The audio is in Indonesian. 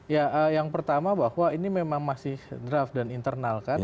ya yang pertama bahwa ini memang masih draft dan internal kan